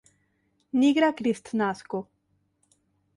Nigra Kristnasko.